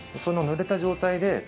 そのぬれた状態で。